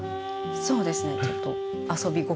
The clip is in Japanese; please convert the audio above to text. そうですねちょっと遊び心。